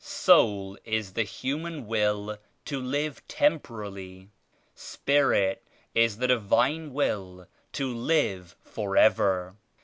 Soul is the human will to live temporally. Spirit is the Divine Will to live forever.